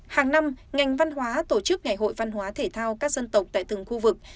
hàng năm ngành văn hóa tổ chức ngày hội văn hóa thể thao các dân tộc tại từng khu vực